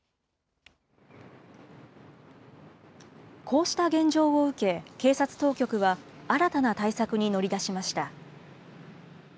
こうした現状を受け、警察当局は新たな対策に乗り出しました。